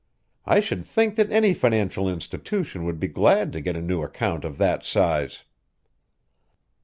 I should think that any financial institution would be glad to get a new account of that size."